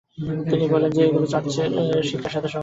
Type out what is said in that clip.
তিনি বলেন যে এগুলো চার্চের বিভিন্ন শিক্ষার সাথে সাংঘর্ষিক।